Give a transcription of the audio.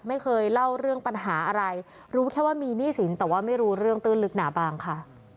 ไม่เคยเล่าเรื่องปัญหาอะไรรู้แค่ว่ามีหนี้สินแต่ว่าไม่รู้เรื่องตื้นลึกหนาบางค่ะ